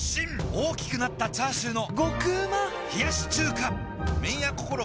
大きくなったチャーシューの麺屋こころ